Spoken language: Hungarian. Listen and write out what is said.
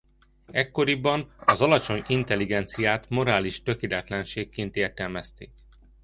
Ekkoriban az alacsony intelligenciát morális tökéletlenségként értelmezték.